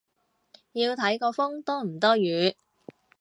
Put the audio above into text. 要睇個風多唔多雨